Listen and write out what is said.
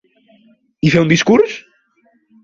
I fer un discurs?